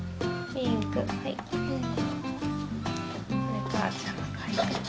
ピンクはい。